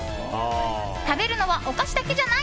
食べるのはお菓子だけじゃない。